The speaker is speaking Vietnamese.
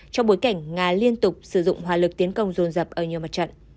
trong bối cảnh nga liên tục sử dụng hòa lực tiến công dồn dập ở nhiều mặt trận